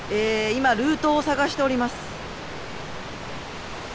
今ルートを探しております。